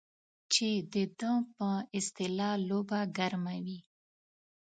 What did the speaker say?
چې د ده په اصطلاح لوبه ګرمه وي.